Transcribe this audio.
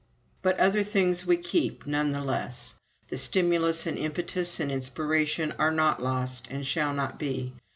"But other things we keep, none the less. The stimulus and impetus and inspiration are not lost, and shall not be.